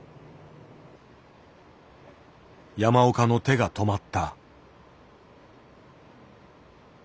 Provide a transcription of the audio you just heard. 山岡の手が止まった。